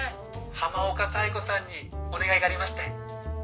浜岡妙子さんにお願いがありまして。